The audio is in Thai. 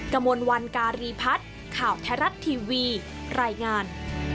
กระมวลวันการีพัฒน์ข่าวไทยรัฐทีวีรายงาน